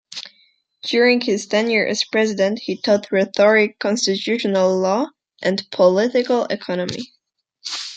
During his tenure as President, he taught Rhetoric, Constitutional Law, and Political Economy.